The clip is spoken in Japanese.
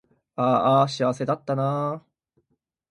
あーあ幸せだったなー